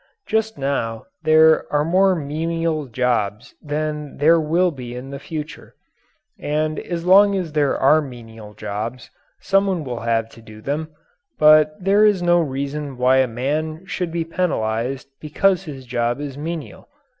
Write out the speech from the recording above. Just now there are more menial jobs than there will be in the future; and as long as there are menial jobs, someone will have to do them; but there is no reason why a man should be penalized because his job is menial.